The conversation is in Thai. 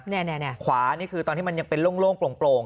นี่ขวานี่คือตอนที่มันยังเป็นโล่งโปร่ง